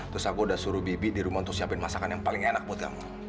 terus aku udah suruh bibi di rumah untuk siapin masakan yang paling enak buat kamu